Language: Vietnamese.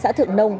và xã thượng nông